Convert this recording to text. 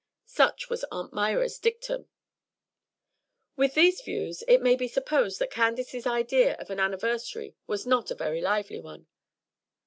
Such was Aunt Myra's dictum. With these views, it may be supposed that Candace's idea of an anniversary was not a very lively one.